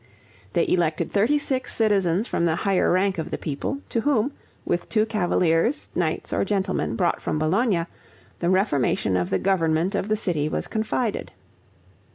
They elected thirty six citizens from the higher rank of the people, to whom, with two cavaliers, knights or gentlemen, brought from Bologna, the reformation of the government of the city was confided.